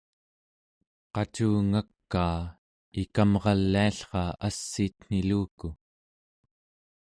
qacungakaa ikamraliallra assiitniluku